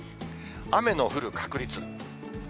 雨の降る確率。